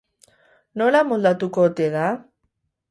Nola moldatuko ote da?